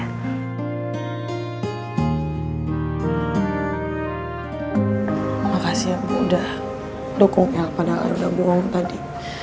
terima kasih bu udah dukung el padahal udah buang tadi